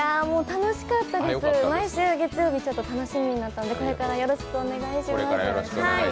楽しかったです、毎週月曜日になったのでこれからよろしくお願いします。